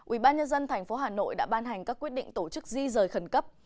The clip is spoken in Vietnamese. ubnd tp hà nội đã ban hành các quyết định tổ chức di rời khẩn cấp